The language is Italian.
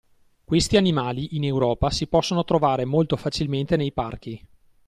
Questi animali, in Europa, si possono trovare molto facilmente nei parchi.